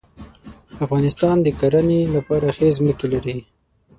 افغانستان د کرهڼې لپاره ښې ځمکې لري.